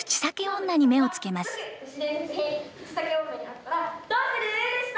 「口裂け女に会ったらどうする？」でした。